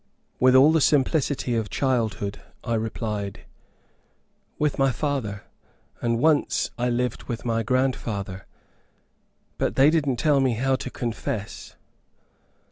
With all the simplicity of childhood, I replied, "With my father; and once I lived with my grandfather; but they didn't tell me how to confess."